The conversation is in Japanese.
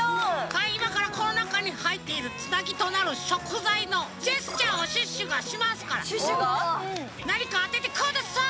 はいいまからこのなかにはいっているつなぎとなるしょくざいのジェスチャーをシュッシュがしますからなにかあててください！